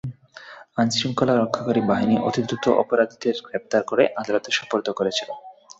আইনশৃঙ্খলা রক্ষাকারী বাহিনী অতি দ্রুত অপরাধীদের গ্রেপ্তার করে আদালতে সোপর্দ করেছিল।